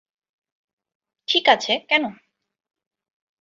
ঠিক আছে, কেন?